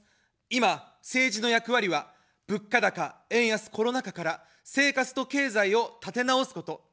今、政治の役割は物価高、円安、コロナ禍から生活と経済を立て直すこと。